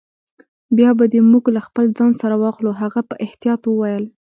بیا به دي موږ له خپل ځان سره واخلو. هغه په احتیاط وویل.